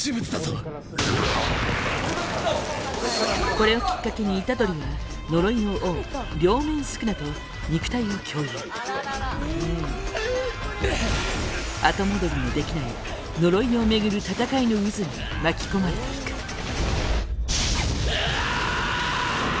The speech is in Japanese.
これをきっかけに虎杖は呪いの王両面宿儺と肉体を共有後戻りのできない呪いを巡る戦いの渦に巻き込まれていくうお！